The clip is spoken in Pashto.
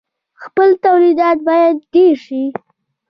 خپل تولیدات باید ډیر شي.